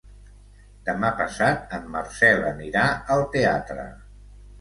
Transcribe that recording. Demà passat en Marcel anirà al teatre.